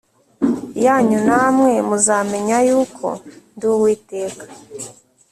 Yanyu namwe muzamenya yuko ndi uwiteka